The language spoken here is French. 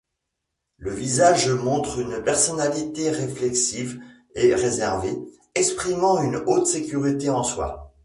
Le visage montre une personnalité réflexive et réservée, exprimant une haute sécurité en soi.